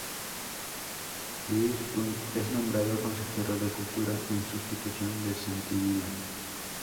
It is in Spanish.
Lluís Puig es nombrado consejero de cultura en sustitución de Santi Vila.